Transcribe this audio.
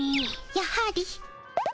やはり。